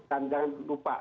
dan jangan lupa